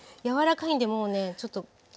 柔らかいんでもうねちょっと。